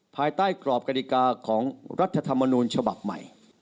ภายใต้กรอบกฎิกาของรัฐธรรมนูญฉบับใหม่